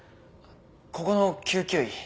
ここの救急医。